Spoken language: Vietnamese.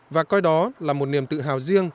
và coi đó là một niềm tự hào riêng